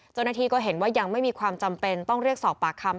เจ้าหน้าที่ก็เห็นว่ายังไม่มีความจำเป็นต้องเรียกสอบปากคำ